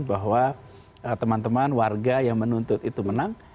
bahwa teman teman warga yang menuntut itu menang